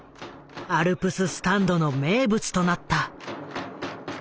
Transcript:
アルプススタンドの名物となった。